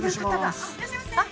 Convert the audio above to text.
いらっしゃいませ。